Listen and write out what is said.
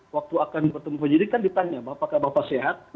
waktu akan bertemu penyidik kan ditanya apakah bapak sehat